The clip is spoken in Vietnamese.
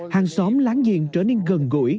hàng xóm láng giềng trở nên gần gũi